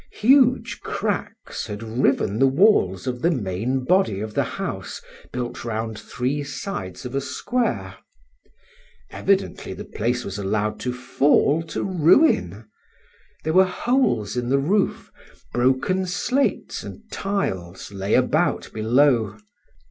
Huge cracks had riven the walls of the main body of the house built round three sides of a square. Evidently the place was allowed to fall to ruin; there were holes in the roof, broken slates and tiles lay about below.